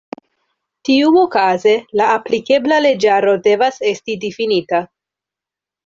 Tiuokaze la aplikebla leĝaro devas esti difinita.